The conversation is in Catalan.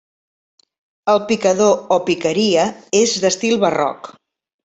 El picador o picaria és d'estil barroc.